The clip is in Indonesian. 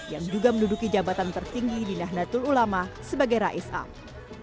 yang juga menduduki jabatan tertinggi di nahdlatul ulama sebagai rais am